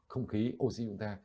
không khí oxy chúng ta